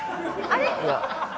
あれ？